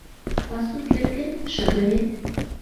Пасу кӧргет шыгырет